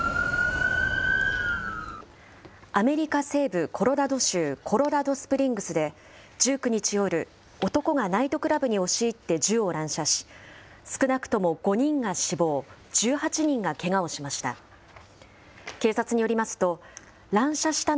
アメリカ西部コロラド州コロラドスプリングスで、１９日夜、男がナイトクラブに押し入って銃を乱射し、少なくとも５人が死亡、１８人がけがをしました。